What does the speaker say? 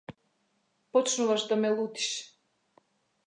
Почнуваш да ме лутиш.